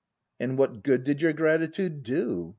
" And what good did your gratitude do